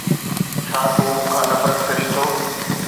ڇا تون مون کان نفرت ڪرين ٿو؟